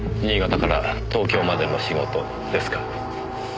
新潟から東京までの仕事ですか。